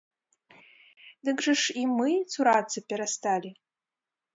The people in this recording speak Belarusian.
Дык жа ж і мы цурацца перасталі.